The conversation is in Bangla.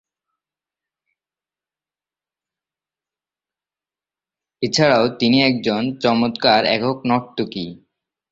এছাড়াও তিনি একজন চমৎকার একক নর্তকী।